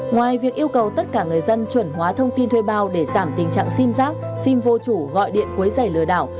ngoài việc yêu cầu tất cả người dân chuẩn hóa thông tin thuê bao để giảm tình trạng xim rác xim vô chủ gọi điện quấy giày lừa đảo